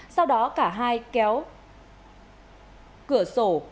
sau đó cả hai kéo cửa sổ